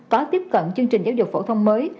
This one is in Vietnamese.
có tiếp cận chương trình giáo dục phổ thông mới